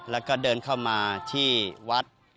แล้วก็เดินเข้ามาที่วัด